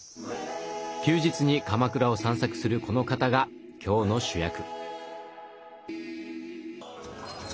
休日に鎌倉を散策するこの方が今日の主役。